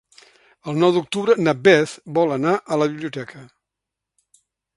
El nou d'octubre na Beth vol anar a la biblioteca.